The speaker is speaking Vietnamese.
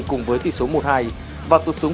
cùng với tỷ số một hai và tụt xuống